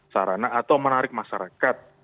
sarana atau menarik masyarakat